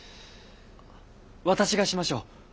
私がしましょう。